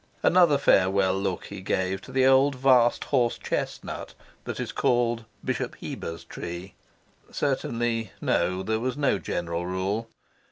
Another farewell look he gave to the old vast horse chestnut that is called Bishop Heber's tree. Certainly, no: there was no general rule.